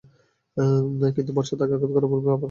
কিন্তু বর্শা তাঁকে আঘাত করার পূর্বেই আবার হাত গুটিয়ে নিত।